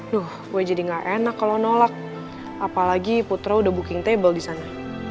duh gue jadi gak enak kalau nolak apalagi putra udah booking table di sana